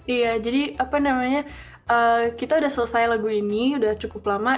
iya jadi apa namanya kita udah selesai lagu ini udah cukup lama